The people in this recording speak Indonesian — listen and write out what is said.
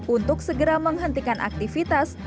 untuk segera menghentikan aktivitas